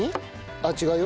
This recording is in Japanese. あっ違うよ。